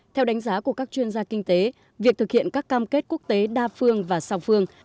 theo đánh giá của các chuyên gia kinh tế việc thực hiện các cam kết quốc tế đa phương và sạc phương